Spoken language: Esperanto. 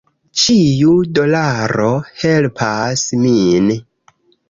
Ĉiu dolaro helpas min.